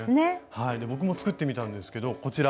僕も作ってみたんですけどこちら。